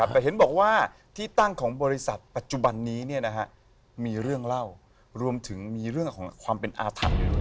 แต่เห็นบอกว่าที่ตั้งของบริษัทปัจจุบันนี้มีเรื่องเล่ารวมถึงมีเรื่องของความเป็นอาถรรพ์